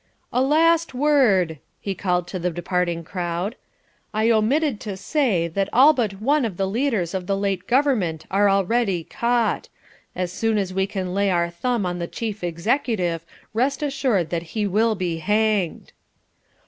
"A last word!" he called to the departing crowd. "I omitted to say that all but one of the leaders of the late government are already caught. As soon as we can lay our thumb on the Chief Executive rest assured that he will be hanged."